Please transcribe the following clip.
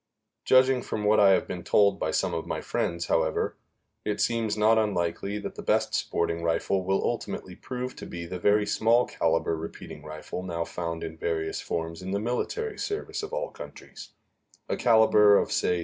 Judging from what I have been told by some of my friends, however, it seems not unlikely that the best sporting rifle will ultimately prove to be the very small caliber repeating rifle now found in various forms in the military service of all countries a caliber of say